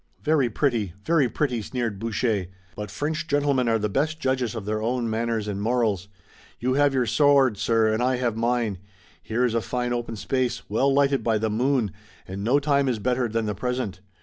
"Very pretty! Very pretty!" sneered Boucher, "but French gentlemen are the best judges of their own manners and morals. You have your sword, sir, and I have mine. Here is a fine open space, well lighted by the moon, and no time is better than the present.